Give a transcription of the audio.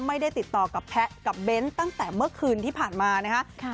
ไม่ได้ติดต่อกับแพะกับเบ้นตั้งแต่เมื่อคืนที่ผ่านมานะคะ